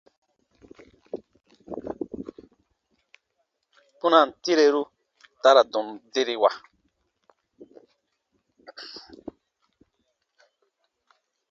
Kpunaan tireru ta ra tɔnu derewa.